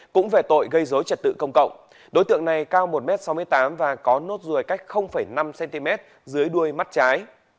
cũng về tội gây dối trật tự công cộng đối tượng này cao một m sáu mươi tám và có nốt ruồi cách năm cm dưới đuôi mắt trái